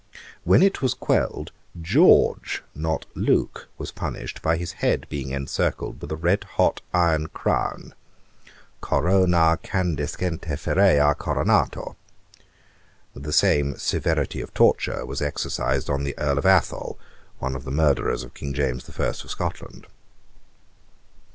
When it was quelled, George, not Luke, was punished by his head being encircled with a red hot iron crown: 'coronâ candescente ferreâ coronatur.' The same severity of torture was exercised on the Earl of Athol, one of the murderers of King James I. of Scotland.